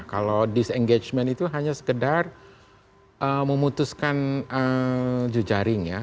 kalau disengajement itu hanya sekedar memutuskan jujaring ya